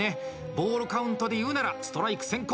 ボールカウントでいうならストライク先行！